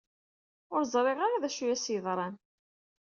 Ur ẓriɣ ara d acu u as-yeḍran.